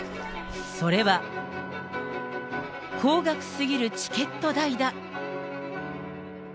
それは、高額すぎるチケット代だ。